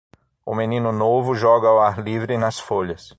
O menino novo joga ao ar livre nas folhas.